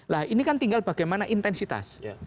nah ini kan tinggal bagaimana intensitas